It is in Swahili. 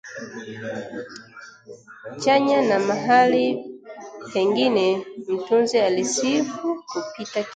chanya na mahali pengine mtunzi alisifu kupita kiasi